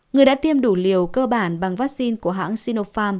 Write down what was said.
người đã tiêm đủ liều cơ bản bằng vaccine của hãng sinopharm